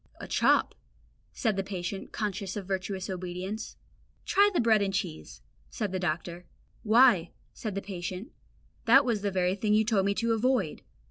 "A chop," said the patient, conscious of virtuous obedience. "Try bread and cheese," said the doctor. "Why," said the patient, "that was the very thing you told me to avoid."